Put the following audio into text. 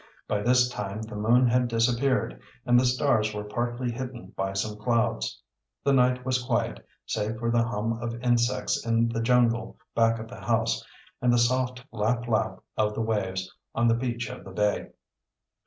By this time the moon had disappeared and the stars were partly hidden by some clouds. The night was quiet, save for the hum of insects in the jungle back of the house and the soft lap lap of the waves on the beach of the bay.